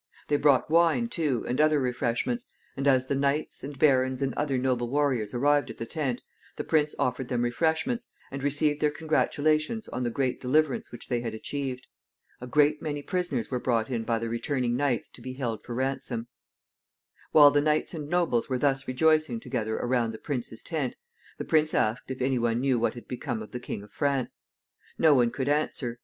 They brought wine, too, and other refreshments; and as the knights, and barons, and other noble warriors arrived at the tent, the prince offered them refreshments, and received their congratulations on the great deliverance which they had achieved. A great many prisoners were brought in by the returning knights to be held for ransom. While the knights and nobles were thus rejoicing together around the prince's tent, the prince asked if any one knew what had become of the King of France. No one could answer.